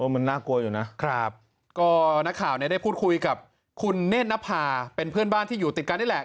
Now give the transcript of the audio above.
มันน่ากลัวอยู่นะครับก็นักข่าวเนี่ยได้พูดคุยกับคุณเนธนภาเป็นเพื่อนบ้านที่อยู่ติดกันนี่แหละ